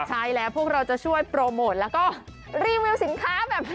ใช่แล้วพวกเราจะช่วยโปรโมทและก็รีวิวสินค้าอย่างฟรี